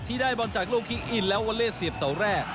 ได้บอลจากโลกคิกอินแล้ววอเล่เสียบเสาแรก